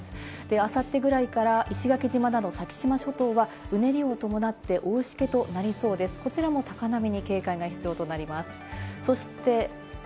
あさってぐらいから石垣島など、先島諸島は、うねりを伴って大しけとなりそうです、こちらも高波に警戒が必要となります。